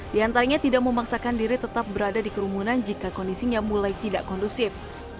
di antaranya tidak memaksakan diri tetap berada di kerumunan jika kondisinya mulai tidak kondusif